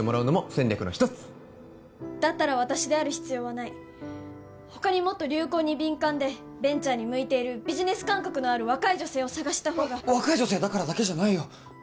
戦略の一つだったら私である必要はない他にもっと流行に敏感でベンチャーに向いているビジネス感覚のある若い女性を探した方が若い女性だからだけじゃないよ